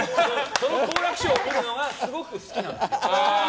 その好楽師匠を見るのがすごく好きなんです。